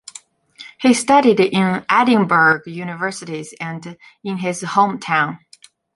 He studied in Edinburgh universities and in his home town.